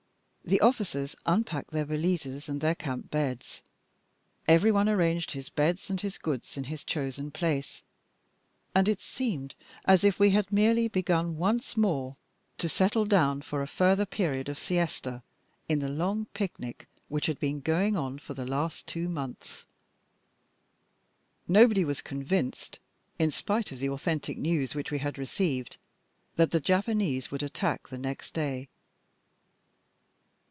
The officers unpacked their valises and their camp beds. Every one arranged his bed and his goods in his chosen place, and it seemed as if we had merely begun once more to settle down for a further period of siesta in the long picnic which had been going on for the last two months. Nobody was convinced in spite of the authentic news which we had received, that the Japanese would attack the next day.